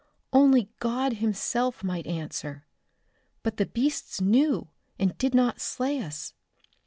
Only God Himself might answer. But the beasts knew, and did not slay us.